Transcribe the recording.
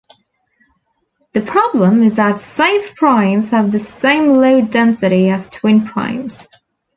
The problem is that safe primes have the same low density as twin primes.